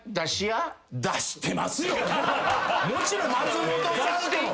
もちろん松本さんで１。